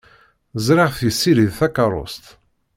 Ẓriɣ-t yessirid takeṛṛust.